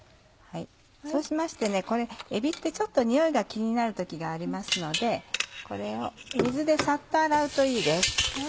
そうしましてえびってちょっとにおいが気になる時がありますのでこれを水でサッと洗うといいです。